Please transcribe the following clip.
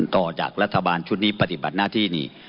ต่อจากรัฐบาลชุดนี้ปฏิบัติหน้าที่นี่